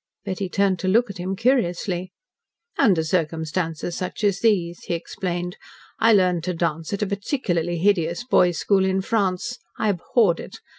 Betty turned to look at him curiously. "Under circumstances such as these," he explained. "I learned to dance at a particularly hideous boys' school in France. I abhorred it.